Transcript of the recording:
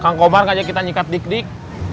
kang komar ngajak kita nyikat dik dik